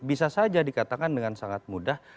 bisa saja dikatakan dengan sangat mudah